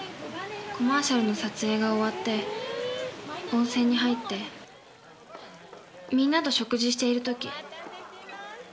コマーシャルの撮影が終わって温泉に入ってみんなと食事している時